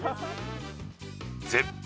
絶品！